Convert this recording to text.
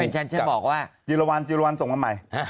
แต่ฉันจะบอกว่าจิลและวานส่งมาใหม่